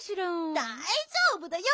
だいじょうぶだよ！